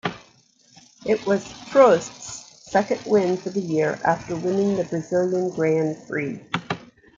It was Prost's second win for the year after winning the Brazilian Grand Prix.